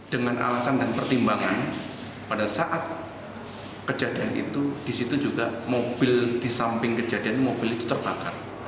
dengan alasan dan pertimbangan pada saat kejadian itu disitu juga mobil di samping kejadian ini mobil itu terbakar